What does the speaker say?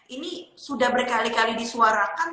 ini sudah berkali kali disuarakan tapi kerap terjadi lagi terjadi lagi